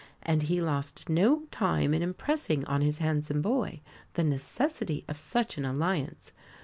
And he lost no time in impressing on his handsome boy the necessity of such an alliance.